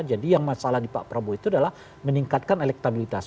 jadi yang masalah di pak prabowo itu adalah meningkatkan elektabilitas